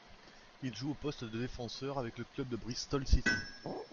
Il joue au poste de défenseur avec le club de Bristol City.